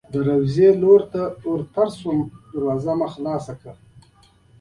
د دروازې لور ته ورتېر شوم او دروازه مې خلاصه کړه.